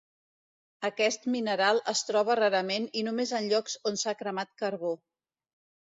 Aquest mineral es troba rarament i només en llocs on s'ha cremat carbó.